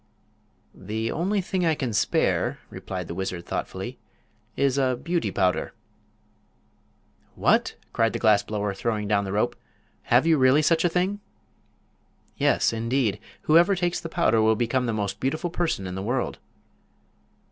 "The only thing I can spare," replied the wizard, thoughtfully, "is a Beauty Powder." "What!" cried the glass blower, throwing down the rope, "have you really such a thing?" "Yes, indeed. Whoever takes the powder will become the most beautiful person in the world."